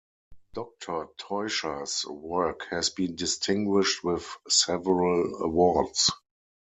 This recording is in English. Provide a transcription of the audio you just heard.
Doctor Teuscher's work has been distinguished with several awards.